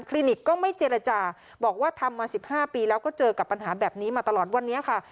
นิกก็ไม่เจรจาบอกว่าทำมา๑๕ปีแล้วก็เจอกับปัญหาแบบนี้มาตลอดวันนี้ค่ะ